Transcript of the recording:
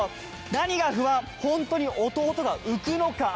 何が不安ホントに弟が浮くのか